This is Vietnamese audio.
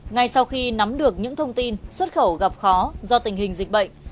ngay sau khi nắm được những thông tin xuất khẩu gặp khó do tình hình dịch bệnh